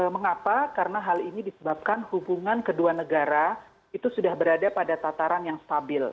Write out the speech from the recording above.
mengapa karena hal ini disebabkan hubungan kedua negara itu sudah berada pada tataran yang stabil